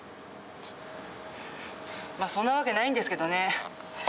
まそんなわけないんですけどね。